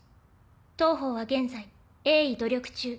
当方は現在鋭意努力中。